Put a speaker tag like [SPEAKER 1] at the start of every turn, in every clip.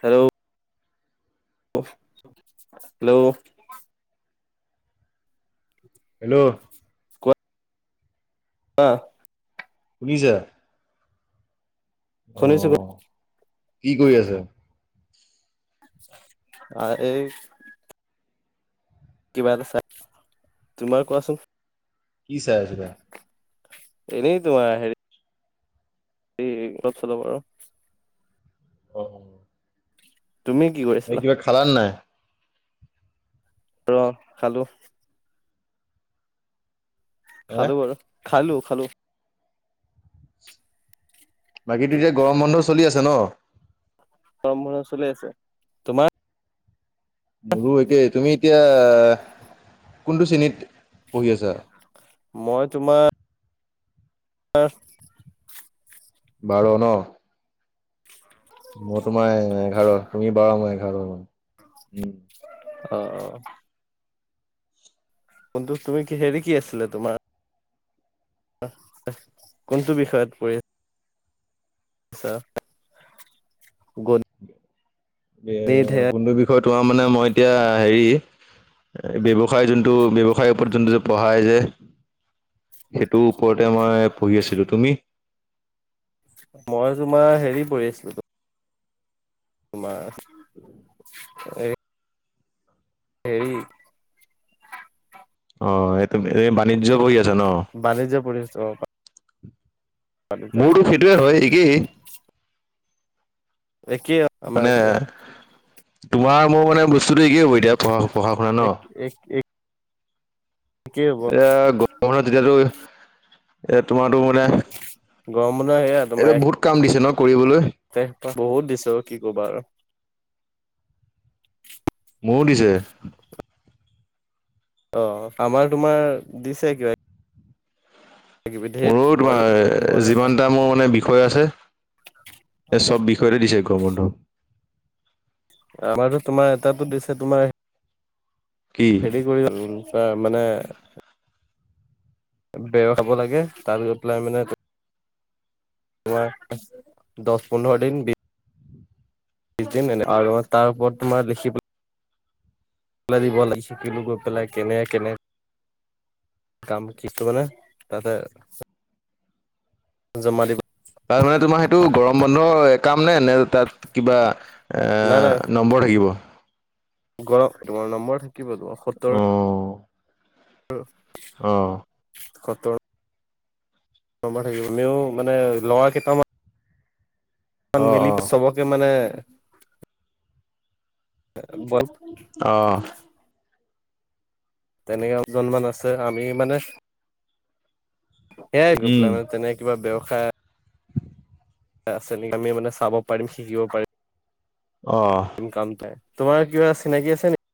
[SPEAKER 1] Hello hello
[SPEAKER 2] hello
[SPEAKER 1] আ
[SPEAKER 2] শুনিছা? অ
[SPEAKER 1] শুনিছো, [inaudible]
[SPEAKER 2] কি কৰি আছা?
[SPEAKER 1] অ', এই কিবা এটা চাই, তোমাৰ কোৱাচোন।
[SPEAKER 2] কি চাই আছিলা?
[SPEAKER 1] এনেই তোমাৰ হেৰি এই অলপ চলপ আৰু।
[SPEAKER 2] উম।
[SPEAKER 1] তুমি কি
[SPEAKER 2] এই
[SPEAKER 1] কৰিছিলা
[SPEAKER 2] কিবা খালা নে নাই?
[SPEAKER 1] ৰ খালো।
[SPEAKER 2] হে
[SPEAKER 1] খালো বাৰু, খালো খালো।
[SPEAKER 2] বাকীতো এতিয়া গৰম বন্ধ চলি আছে ন?
[SPEAKER 1] গৰম বন্ধ চলি আছে। তোমাৰ
[SPEAKER 2] মোৰো একেই, তুমি এতিয়া কোনটো শ্ৰেণীত পঢ়ি আছা?
[SPEAKER 1] মই তোমাৰ আৰ
[SPEAKER 2] বাৰ ন? মই তোমাৰ এঘাৰ, তুমি বাৰ মই এঘাৰ মানে, উম।
[SPEAKER 1] অ' অ'। কিন্তু তুমি কি হেৰি কি আছিলে তোমাৰ কোনটো বিষয়ত পৰি আছা, গ [inaudible]
[SPEAKER 2] কোনটো বিষয় তোমাৰ মানে, মই এতিয়া হেৰি ব্যৱসায় জোনটো ব্যৱসায়ৰ ওপৰত জোনটো যে পঢ়াই যে। সেইটো ওপৰতে মই পঢ়ি আছিলো, তুমি?
[SPEAKER 1] মই তোমাৰ হেৰি পঢ়ি আছিলো তোমাৰ এই হেৰি
[SPEAKER 2] অ', এইটো এ বাণিজ্য পঢ়ি আ
[SPEAKER 1] বাণিজ্য পঢ়ি আছোঁ অ'। বাণিজ্য
[SPEAKER 2] মোৰোতো সেইটোৱেই হয়, একেই।
[SPEAKER 1] একেই আমাৰ,
[SPEAKER 2] মানে
[SPEAKER 1] একেই।
[SPEAKER 2] তোমাৰ মোৰ মানে বস্তুটো একেই হ'ব এতিয়া, পঢ়া-পঢ়া শুনা ন?
[SPEAKER 1] একে হ'ব
[SPEAKER 2] এতিয়া [unintelligible] তেতিয়াতো এ তোমাৰোতো মানে,
[SPEAKER 1] গৰম
[SPEAKER 2] এইটো বহুত কাম দিছে ন কৰিবলৈ?
[SPEAKER 1] তে বহুত দিছে, কি ক'বা আৰু।
[SPEAKER 2] মোৰো দিছে।
[SPEAKER 1] অ', আমাৰ তোমাৰ দিছে কিবা কিবি ধেৰ
[SPEAKER 2] মোৰো
[SPEAKER 1] বইল
[SPEAKER 2] তোমাৰ,
[SPEAKER 1] বইল এটা
[SPEAKER 2] যিমানটা মোৰ মানে বিষয় আছে এই চব বিষয়তে দিছে গৰম বন্ধ।
[SPEAKER 1] আমাৰতো তোমাৰ এটাটো দিছে তোমাৰ
[SPEAKER 2] কি
[SPEAKER 1] হেৰি কৰি ও - ও মানে বেয়া খাব লাগে তাত গৈ পেলাই মানে ওৱা দছ পোন্ধ্ৰ দিন [unintelligible] আৰু তাৰ ওপৰত তোমাৰ দেখি পেলা দিব লাইছে [unintelligible] গৈ পেলাই কেনে কেনে কাম কি্ত মানে তাতে জমালি
[SPEAKER 2] তাৰ মানে তোমাৰ সেইটো গৰম বন্ধৰ কাম নে-নে তাত কিবা এ, নম্বৰ থাকিব।
[SPEAKER 1] গ় তোমাৰ নম্বৰ থাকিব তো সত্তৰ
[SPEAKER 2] অ
[SPEAKER 1] উম।
[SPEAKER 2] অ'।
[SPEAKER 1] [inaudible] নাম্বাৰ থাকিব মেৱ মানে লগা কেইটামান
[SPEAKER 2] অ অ
[SPEAKER 1] [unintelligible] মিলি চবকে মানে বল
[SPEAKER 2] [inaudible] অ'।
[SPEAKER 1] তেনেকে অকমান আছে আমি মানে সেইয়াই
[SPEAKER 2] উম
[SPEAKER 1] গোপালা মানে তেনেকা কিবা ব্যৱসায় আছে নেকি আমি মানে চাব পাৰিম শিকিব পাৰিম।
[SPEAKER 2] আহ।
[SPEAKER 1] কামটোৱে তোমাৰ কিবা চিনাকি আছে নেকি?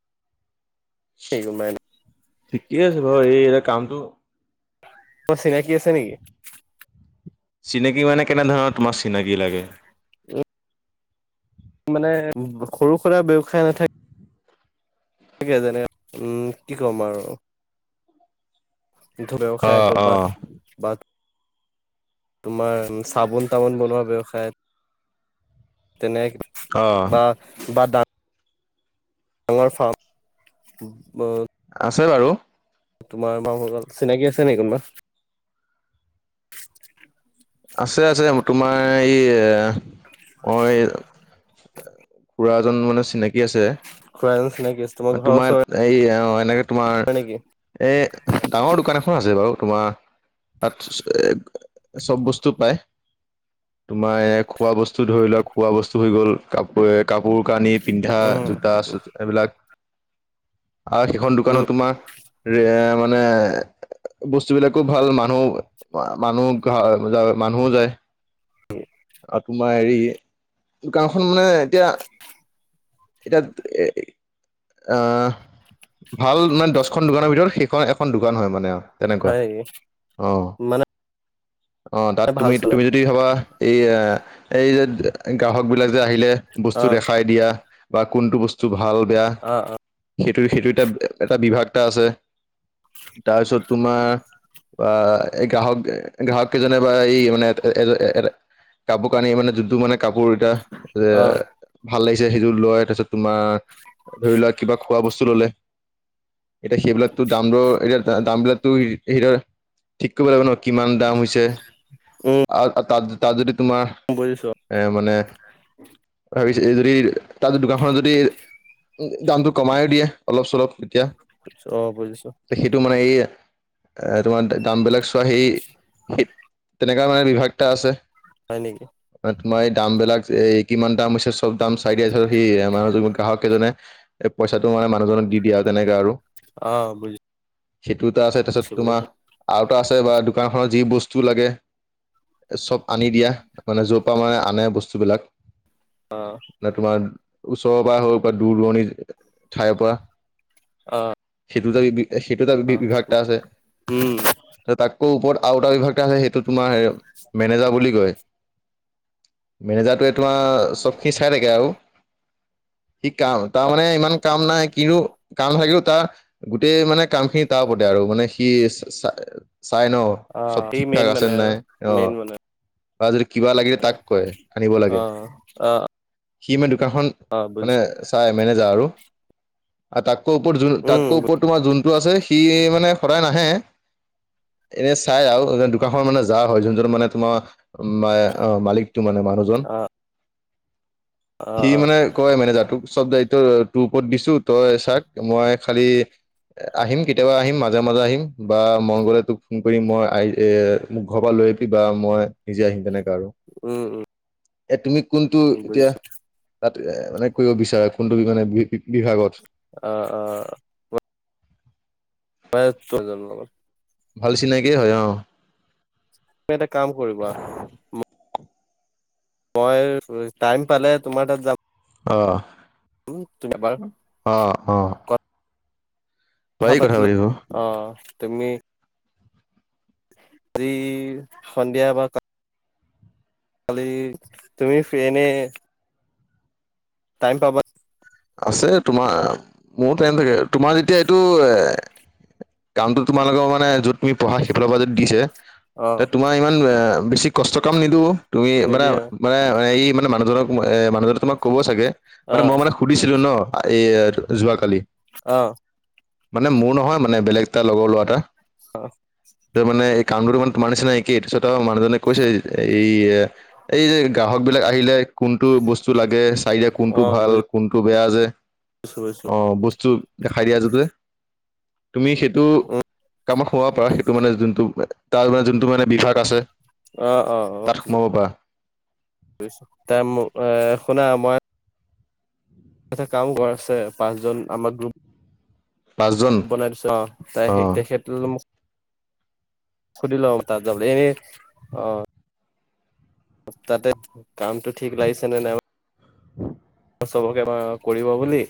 [SPEAKER 1] কোনোবা
[SPEAKER 2] ঠিকে আছে বাৰু এই এয়া কামটো
[SPEAKER 1] তাৰ চিনাকি আছে নেকি?
[SPEAKER 2] চিনাকি মানে কেনেধৰণৰ তোমাৰ চিনাকি লাগে?
[SPEAKER 1] মানে সৰু সুৰা ব্যৱসায় নাথাকে তনোকে যেনে উম কি ক'ম আৰু। দ্ধ
[SPEAKER 2] অ
[SPEAKER 1] ব্যৱসায়
[SPEAKER 2] অ
[SPEAKER 1] কৰবাত, বাত তোমাৰ চাবোন, তামোন বনোৱা ব্যয়ৱসায়ত তেনে,
[SPEAKER 2] অ
[SPEAKER 1] বা, বা, দাত দাঙৰ, ফাৰ্ম [inaudible]
[SPEAKER 2] আছে, বাৰু।
[SPEAKER 1] তোমাৰ [unintelligible] চিনাকি আছে নিকি কোনোবা। [inaudible]
[SPEAKER 2] আছে, আছে তোমাৰ এ, এই, অই ল'ৰা এজন মানে চিনাকি আছে,
[SPEAKER 1] খুৰা এজন চিনাকি আছে ঘৰৰ
[SPEAKER 2] তোমাৰ
[SPEAKER 1] ওচৰৰে
[SPEAKER 2] এই, অ'। এনেকে তোমাৰ
[SPEAKER 1] নেকি
[SPEAKER 2] এ, ডাঙৰ দোকান এখন আছে বাৰু। তোমাৰ তাত এ, এ, চব বস্তু পায়। তোমাৰ এ, খোৱা বস্তু ধৰি লোৱা, খোৱা বস্তু হৈ গ'ল কাপোৰ এ, কাপোৰ কানী, পিন্ধা
[SPEAKER 1] উম
[SPEAKER 2] জোতা, চ, এইবিলাক। আৰু সেইখন
[SPEAKER 1] উম
[SPEAKER 2] দোকানত তোমাৰ মানে এ, বস্তু বিলাকো ভাল, মানুহ, মানুহ মানুহ যায়। আৰু তোমাৰ হেৰি, গাওখন মানে এতিয়া এতিয়া, আহ ভাল মানে দহখন দোকানৰ ভিতৰত সেইখন এখন দোকান হয়, মানে আৰু। তেনেকুৱা
[SPEAKER 1] হয়,
[SPEAKER 2] অ
[SPEAKER 1] মানে
[SPEAKER 2] অ, তাত
[SPEAKER 1] ভাল
[SPEAKER 2] তুমি,
[SPEAKER 1] চলে
[SPEAKER 2] তুমি যদি ভাবা এই, এই যে গ্ৰাহক বিলাক আহিলে, বস্তু
[SPEAKER 1] অ
[SPEAKER 2] দেখাই দিয়া বা কোনটো বস্তু ভাল বেয়া
[SPEAKER 1] অ অ
[SPEAKER 2] সেইটো, সেইটো এটা, এটা বিভাগটা আছে, তাৰপিছত তোমাৰ বা এই, গ্ৰাহক, গ্ৰাহক কেইজনে বা এই, মানে এ, এ কাবু কানি মানে যুদ্ধ মানে কাপোৰ এটা এ,
[SPEAKER 1] অ
[SPEAKER 2] ভাল লাগিছে, সেইযোৰ লৈ তাৰপিছত তোমাৰ ধৰি লোৱা কিবা খোৱা বস্তু ললে, এতিয়া সেইবিলাকতো দাম দৰৰ এতিয়া দাম বিলাকতো হিৰাৰ ঠিক কৰিব লাগব ন। কিমান দাম হৈছে,
[SPEAKER 1] উম
[SPEAKER 2] আৰু তাত, তাত যদি তোমাৰ
[SPEAKER 1] বুজিছো
[SPEAKER 2] এ, মানে ভাবিছে যদি তাত দোকানখনত যদি দামটো কমাইয়ো দিয়ে অলপ, চলপ। এতিয়া
[SPEAKER 1] অ বুজিছো
[SPEAKER 2] সেইটো মানে এই এ, তোমাৰ দামবিলাক চোৱা সেই, তেনেকুৱা মানে বিভাগ এটা আছে।
[SPEAKER 1] হয়, নেকি।
[SPEAKER 2] মই দাম বিলাক এই কিমান দাম হৈছে, চব দাম চাই দিয়াইছো, সি মানুহ গ্ৰাহক কেইজনে। এ, পইচাটো মানে মানুহজনক দি, দিয়ে। আৰু তেনেককাে আৰু।
[SPEAKER 1] অ বুজিছো
[SPEAKER 2] দুটা আছে, তাৰপিছত তোমাৰ
[SPEAKER 1] বুজিছো
[SPEAKER 2] আৰুটা আছে বা দোকান খনৰ যি বস্তু লাগে। চব আনি দিয়া, মানে যৰ পৰা মানে আনে বস্তুবিলাক।
[SPEAKER 1] অ
[SPEAKER 2] ন, তোমাৰ ওচৰৰ পৰা হওক, বা দূৰ-দূৰণিৰ ঠাইৰ পৰা।
[SPEAKER 1] অ'।
[SPEAKER 2] সেইটো ত, সেইটো তটা বিভাগটা আছে,
[SPEAKER 1] উম
[SPEAKER 2] তাককৈ ওপৰত আউটা বিভাগ আছে, সেইটো তোমাৰ মেনেজাৰ বুলি কয়। মেনেজাৰটোৱে তোমাৰ চব খিনি চাই থাকে আৰু সি কাম তাৰমানে ইমান কাম নাই কিনো কাম থাকেও তাৰ গোটেই মানে কাম খিনি তাৰ ওপৰতে আৰু মানে সি চাই, ন,
[SPEAKER 1] অ
[SPEAKER 2] চব
[SPEAKER 1] এই
[SPEAKER 2] ঠিক-ঠাক
[SPEAKER 1] মেইন
[SPEAKER 2] আছে
[SPEAKER 1] মানে আৰু
[SPEAKER 2] নাই, আহ।
[SPEAKER 1] মেইন মানে
[SPEAKER 2] কিবা লাগিলে তাক কয়, আনিব
[SPEAKER 1] অ
[SPEAKER 2] লাগে। সি মানে দোকানখন
[SPEAKER 1] অ
[SPEAKER 2] মানে
[SPEAKER 1] বুজিছো
[SPEAKER 2] চাই মেনেজাৰ আৰু তাক ওপৰত য, তাক
[SPEAKER 1] উম
[SPEAKER 2] ওপৰত তোমাৰ জোনটো আছে সি মানে সদায় নাহে। এনে চাই আৰু দোকানখন মানে যা হয়, যোন-যন মানে তোমাৰ মালিক। ত, মানে মানুহজন
[SPEAKER 1] অ
[SPEAKER 2] সি মানে কয় মেনেজাৰ তোক চব তোৰ ওপৰত দিছো তই চাক মই খালি আহিম কেতিয়াবা আহিম মাজে মাজে আহিম বা মই গ'লে তোক ফোন কৰি মই এ মোক ঘৰ পৰা লৈ [unintelligible] বা মই নিজে আহিম তেনেকে
[SPEAKER 1] উম, উম।
[SPEAKER 2] এ তুমি কোনটো
[SPEAKER 1] উম
[SPEAKER 2] এতিয়া
[SPEAKER 1] বুজিছো
[SPEAKER 2] তাত এ মানে কৰিব বিচাৰা কোনটো মানে বি-বিভাগত?
[SPEAKER 1] অ', অ'। [inaudible]
[SPEAKER 2] ভাল চিনাকিয়ে হয় অ'।
[SPEAKER 1] তুমি এটা কাম কৰিবা মই টাইম পালে তোমাৰ তাত যাম।
[SPEAKER 2] আহ,
[SPEAKER 1] তুমি এবাৰ
[SPEAKER 2] আহ, অ'।
[SPEAKER 1] কথা
[SPEAKER 2] পাৰি
[SPEAKER 1] পাতিলো
[SPEAKER 2] পাতিব
[SPEAKER 1] অ' তুমি আজি সন্ধিয়া এবাৰ খালি তুমি ফ্ৰিনে টাইম পাবা
[SPEAKER 2] আছে তোমাৰ মোৰ টাইম থাকে। তোমাৰ যেতিয়া এইটো এ কামটো তোমালোকৰ মানে য'ত তুমি পঢ়া সেইফালৰ পৰা যদি দিছে।
[SPEAKER 1] অ
[SPEAKER 2] তে তোমাৰ ইমান এ বেছি কষ্ট কাম নিদিওঁ। তুমি মানে
[SPEAKER 1] নিদিয়ে
[SPEAKER 2] মানে এই মানে মানুহজনক-মানুহজনে তোমাক ক'ব চাগে।
[SPEAKER 1] অ
[SPEAKER 2] মানে মই মানে সুধিছিলো ন এ যোৱাকালি।
[SPEAKER 1] আহ।
[SPEAKER 2] মানে মোৰ নহয় মানে বেলেগ এটা লগৰ ল'ৰা এটা।
[SPEAKER 1] অ'।
[SPEAKER 2] কামটোৰ তোমাৰ নিচিনা একেই তাৰ পিছত আৰু মানুহজনে কৈছে এই এই যে গ্ৰাহকবিলাক আহিলে কোনটো বস্তু লাগে চাই দে কোনটো
[SPEAKER 1] অ',
[SPEAKER 2] ভাল কোনটো বেয়া যে।
[SPEAKER 1] বুজিছো বুজিছো
[SPEAKER 2] আহ বস্তু দেখাই দিয়াতো যে তুমি সেইটো কামত সোমাব পাৰ সেইটো মানে যোনটো তাৰ মানে যোনটো মানে বিভাগ আছে।
[SPEAKER 1] আহ, অ',
[SPEAKER 2] তাত সোমাব
[SPEAKER 1] অ'।
[SPEAKER 2] পাৰা
[SPEAKER 1] তাই মোক এ এইয়াতে কামো কৰা আছে পাঁচজন আমাৰ গ্ৰুপ
[SPEAKER 2] পাঁচজন
[SPEAKER 1] বনাই দিছো অ'
[SPEAKER 2] অ
[SPEAKER 1] তেখেত মোক সুধি ল'ম তাত যাব এনে অ' তাতে কামটো ঠিক লাগিছে নে নাই
[SPEAKER 2] [inaudible]
[SPEAKER 1] চবকে [unintelligible] কৰিব বুলি।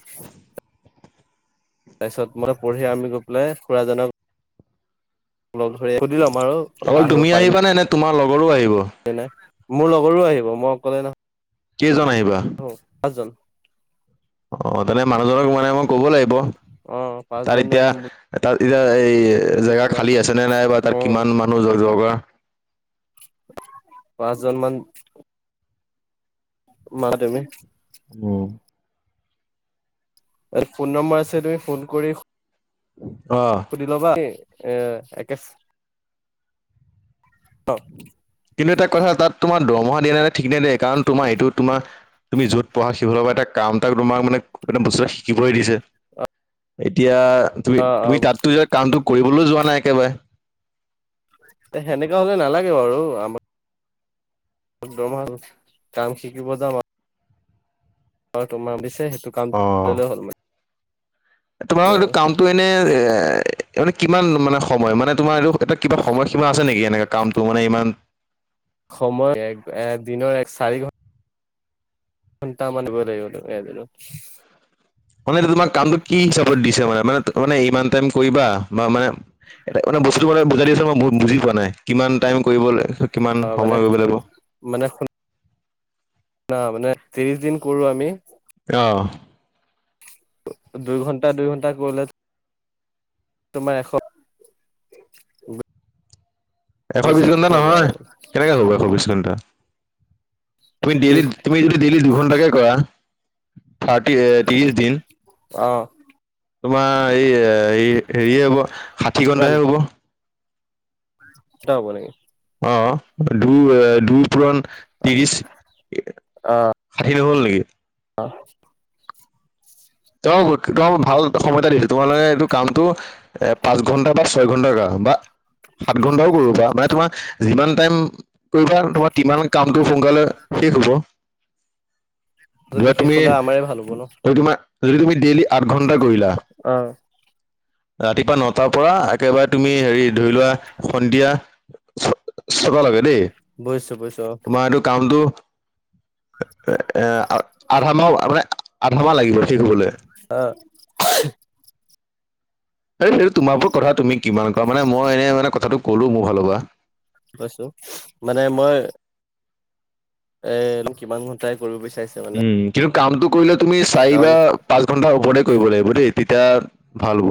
[SPEAKER 1] তাৰপিছত মই পঢ়ি আমি গৈ পেলাই খুৰাজনক লগ ধৰি সুধি ল'ম আৰু
[SPEAKER 2] অকল
[SPEAKER 1] আহিব
[SPEAKER 2] তুমি
[SPEAKER 1] পাৰিম
[SPEAKER 2] আহিবা নে নে তোমাৰ লগৰো আহিব
[SPEAKER 1] হয় নাই মোৰ লগৰো আহিব মই অকলে নহ
[SPEAKER 2] কেইজন আহি
[SPEAKER 1] অ', পাঁচজন।
[SPEAKER 2] অ', তেনে মানুহজনক মানে মই ক'ব লাগিব।
[SPEAKER 1] অ',
[SPEAKER 2] তাত
[SPEAKER 1] পাঁচজন
[SPEAKER 2] এতিয়া
[SPEAKER 1] আহিম
[SPEAKER 2] তাত এতিয়া এই
[SPEAKER 1] বুলি
[SPEAKER 2] জেগা
[SPEAKER 1] ক'বা
[SPEAKER 2] খালী আছেনে নাই বা তাত
[SPEAKER 1] অ',
[SPEAKER 2] কিমান মানুহ [unintelligible]
[SPEAKER 1] পাঁচ জনমান [unintelligible]
[SPEAKER 2] উম।
[SPEAKER 1] ফোন নম্বৰ আছে তুমি ফোন কৰি
[SPEAKER 2] অ
[SPEAKER 1] সুধি ল'বা এ একে [inaudible]
[SPEAKER 2] কিন্তু এটা কথা তাত তোমাৰ দৰমহা দিয়া নাই ঠিক নে দিয়ে কাৰণ তোমাৰ এইটো তোমাৰ তুমি য'ত পঢ়া সেইফালৰ পৰা এটা কাম এটা তোমাৰ মানে বস্তু শিকিবলৈ দিছে। এতিয়া
[SPEAKER 1] অ অ
[SPEAKER 2] তুমি-তুমি তাতটো কামটো কৰিবলৈ যোৱা নাই একেবাৰে?
[SPEAKER 1] এ সেনেকুৱা হ'লে নালাগে বাৰু আমাৰ একদমাল কাম শিকিব যাম আৰু। হয়, তোমাৰ দিছে সেইটো
[SPEAKER 2] অ
[SPEAKER 1] কামলে হ'ল মানে।
[SPEAKER 2] তোমাৰ এইটো
[SPEAKER 1] আৰু
[SPEAKER 2] কামটো এনে এ মানে কিমান মানে সময় মানে তোমাৰ এইটো এয়া কিবা সময়সীমা আছে নেকি এনেকে কামটো মানে ইমান
[SPEAKER 1] সময় এক দিনৰ এক চাৰি ঘন্টা ঘণ্টা মান দিবই লাগিব তুমি এদিনত।
[SPEAKER 2] মানে তোমাৰ কামটো কি হিচাপত দিছে মানে মানে মানে ইমান টাইম কৰিবা বা মানে এ মানে বস্তু মানে বুজাই দিছ মই বুজি পোৱা নাই কিমান টাইম কৰিব কিমান
[SPEAKER 1] অ মানে
[SPEAKER 2] সময় কৰিব লাগিব।
[SPEAKER 1] না মানে ত্ৰিশ দিন কৰো আমি
[SPEAKER 2] অ',
[SPEAKER 1] দুই ঘণ্টা দুই ঘণ্টা কৰিলে তোমাৰ এশ
[SPEAKER 2] এশ বিশ
[SPEAKER 1] বুইছা
[SPEAKER 2] ঘণ্টা
[SPEAKER 1] লাগে
[SPEAKER 2] নহয়
[SPEAKER 1] আৰু
[SPEAKER 2] কেনেকে যাব এশ বিশ ঘণ্টা? তুমি ডেইলি
[SPEAKER 1] বিশ
[SPEAKER 2] তুমি যদি ডেইলি দুঘণ্টাকে কৰা থাৰ্টি ত্ৰিশ দিন
[SPEAKER 1] অ
[SPEAKER 2] তোমাৰ এই হেৰিয়ে হব ষাঠি ঘন্টাহে হব।
[SPEAKER 1] চ হ'ব নেকি?
[SPEAKER 2] অ', দু দুই পুৰণ ত্ৰিশ ষাঠি নহ'ল নেকি?
[SPEAKER 1] অ',
[SPEAKER 2] ত' ত' ভাল সময় এটা দিছো তোমালোকে এইটো কামটো এ পাঁচ ঘণ্টা বা ছয় ঘণ্টা ধৰা। বা সাত ঘন্টাও কৰিবো পাৰা মানে তোমাৰ যিমান টাইম কৰিবা তোমাৰ কিমান কামটো সোনকালে শেষ হ'ব। ধোৱা
[SPEAKER 1] জল্দি শেষ
[SPEAKER 2] তুমি
[SPEAKER 1] হলে আমাৰে ভাল হ'ব ন
[SPEAKER 2] তোমাৰ যদি তুমি ডেইলি আঠ ঘন্টা কৰিলা
[SPEAKER 1] অ',
[SPEAKER 2] ৰাতিপুৱা নটাৰ পৰা একেবাৰে তুমি হেৰি ধৰি লোৱা সন্ধিয়া চ চটা লগে দেই।
[SPEAKER 1] বুজছোঁ বুজিছোঁ অ',
[SPEAKER 2] তোমাৰ এইটো কামটো এ আধা মাহ মানে আধা মাহ লাগিব শেষ হবলে।
[SPEAKER 1] [inaudible]
[SPEAKER 2] এই তোমাৰ ওপৰত কথা তুমি কিমান কৰা মানে মই এনেই মানে কথাটো ক'লো মোৰ ফালৰ পৰা।
[SPEAKER 1] কৈছো মানে মই এ কিমান ঘণ্টাই কৰিব বিচাৰিছো মানে
[SPEAKER 2] উম, কিন্তু কামটো কৰিলে তুমি চাৰি
[SPEAKER 1] কাৰণ
[SPEAKER 2] বা পাঁচ ঘন্টাৰ ওপৰতে কৰিব লাগিব দেই তেতিয়া ভাল হ'ব।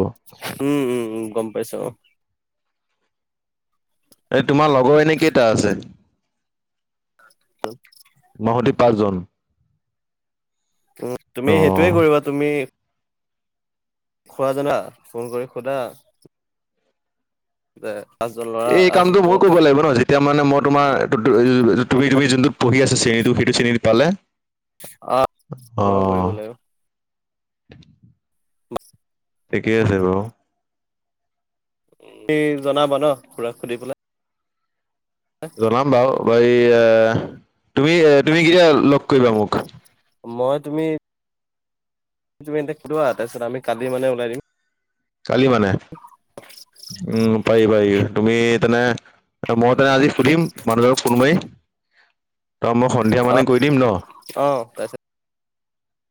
[SPEAKER 1] উম, উম, উম, গম পাইছো অ',
[SPEAKER 2] এই তোমাৰ লগৰ এনে কেইটা আছে? নহদি পাঁচজন।
[SPEAKER 1] তুমি সেইটোয়ে
[SPEAKER 2] অ'।
[SPEAKER 1] কৰিবা তুমি খোৱা জানা ফোন কৰি খুদা? যে ল'ৰা
[SPEAKER 2] এই কামটো
[SPEAKER 1] আহিব
[SPEAKER 2] বহু কৰিব লাগিব ন' যেতিয়া মানে মই তোমাৰ তুমি তুমি যোনটোত পঢ়ি আছা শ্ৰেণী টু সেইটো চেলাৰী পালে
[SPEAKER 1] অ', তোমাকো
[SPEAKER 2] অ',
[SPEAKER 1] কৰিব লাগে আৰু
[SPEAKER 2] [inaudible]
[SPEAKER 1] বছ
[SPEAKER 2] ঠিকেই আছে বাৰু।
[SPEAKER 1] তুমি জনাবা ন' খুৰাক সুধি পেলাই?
[SPEAKER 2] জনাম বাৰু বা এ তুমি তুমি কেতিয়া লগ কৰিবা মোক?
[SPEAKER 1] মই তুমি তুমি এতিয়া সুধিবা তাৰপিছত আমি কালি মানে উলাই দিম।
[SPEAKER 2] কালি মানে। উম। পাৰি পাৰি। তুমি তেনে মই তেনে আজি সুধিম মানুহজনক ফোন মাৰি? ত' মই সন্ধিয়া
[SPEAKER 1] অ,
[SPEAKER 2] মানে কৈ দিম ন?
[SPEAKER 1] অ', তাচত